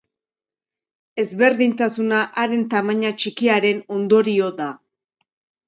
Ezberdintasuna haren tamaina txikiaren ondorio da.